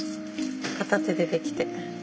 片手でできて。